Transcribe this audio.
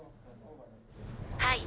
はい。